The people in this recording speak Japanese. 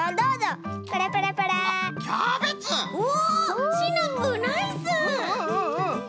うん。